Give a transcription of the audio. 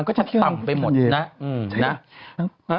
ไงมาถึงทำเคย